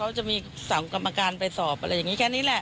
ไม่ได้คุยเรื่องเกี่ยวกับผู้ลุงทะเลอะไรกัน